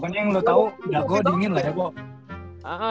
yang lu tau dago dingin lah ya